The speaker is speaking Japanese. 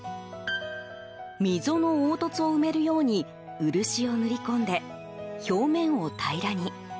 溝の凹凸を埋めるように漆を塗り込んで表面を平らに。